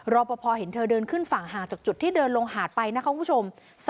รอปภเห็นเธอเดินขึ้นฝั่งห่างจากจุดที่เดินลงหาดไปนะคะคุณผู้ชม